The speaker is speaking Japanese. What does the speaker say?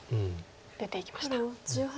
出ていきました。